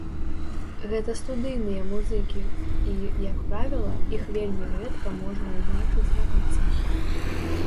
Гэта студыйныя музыкі і, як правіла, іх вельмі рэдка можна ўбачыць на канцэртах.